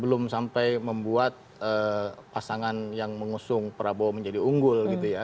belum sampai membuat pasangan yang mengusung prabowo menjadi unggul